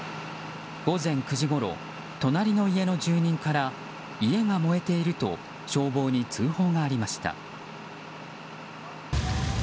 午前９時ごろ、隣の家の住人から家が燃えていると消防に通報がありました。